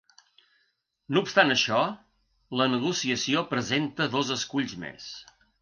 No obstant això, la negociació presenta dos esculls més.